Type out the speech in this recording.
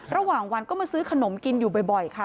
ระหว่างวันก็มาซื้อขนมกินอยู่บ่อยค่ะ